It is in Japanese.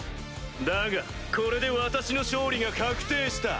だがこれで私の勝利が確定した。